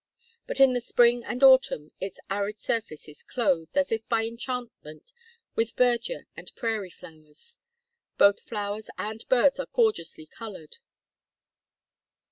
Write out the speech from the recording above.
But in the spring and autumn its arid surface is clothed, as if by enchantment, with verdure and prairie flowers. Both flowers and birds are gorgeously colored.